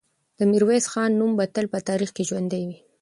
د میرویس خان نوم به تل په تاریخ کې ژوندی وي.